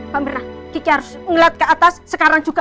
pak mirna kiki harus ngeliat ke atas sekarang juga